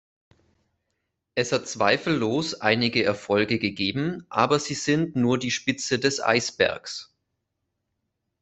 Es hat zweifellos einige Erfolge gegeben, aber sie sind nur die Spitze des Eisbergs.